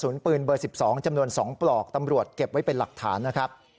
ปืนเบอร์๑๒จำนวน๒ปลอกตำรวจเก็บไว้เป็นหลักฐานนะครับ